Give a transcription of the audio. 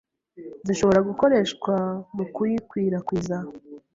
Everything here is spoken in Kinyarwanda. zishobora gukoreshwa mu kuyikwirakwiza.